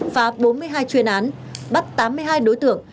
và bốn mươi hai chuyên án bắt tám mươi hai đối tượng